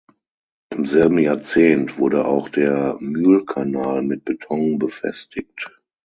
Im selben Jahrzehnt wurde auch der Mühlkanal mit Beton befestigt.